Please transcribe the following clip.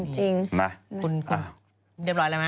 จริงมาคุณขึ้นคุณเด็บร้อยแล้วมั้ย